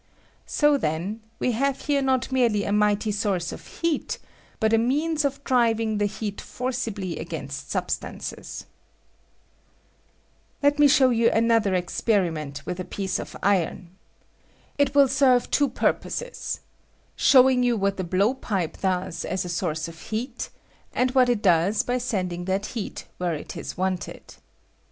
So, then, we have here not merely a mighty source of heat, but a means of driving the heat forcibly against substances, Let me show you another experiment with a piece of iron : it will serve two purposes — showing you what the blowpipe does as a source of heat, and what it does by sending that heat where it ia wanted.